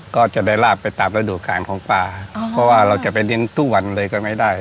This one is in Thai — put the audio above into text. ก็จะได้ลาบไปตามระดูการของปลาเพราะว่าเราจะไปเลี้ยงทุกวันเลยก็ไม่ได้